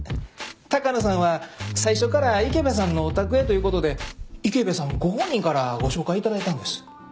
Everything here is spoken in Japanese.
高野さんは最初から池部さんのお宅へということで池部さんご本人からご紹介いただいたんです。